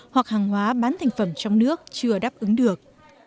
hoặc hàng hóa bán thành phẩm trong nước chưa đáp ứng được